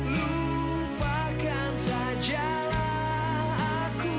lupakan sajalah aku